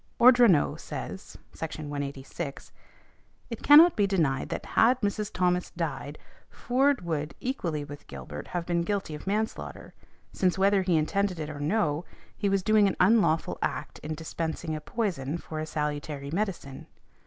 Ordronaux says (sec. 186): It cannot be denied that had Mrs. Thomas died, Foord would, equally with Gilbert, have been guilty of manslaughter, since whether he intended it or no, he was doing an unlawful act in dispensing a poison for a salutary medicine.